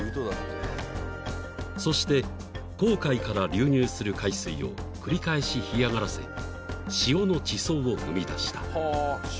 ［そして紅海から流入する海水を繰り返し干上がらせ塩の地層を生み出した］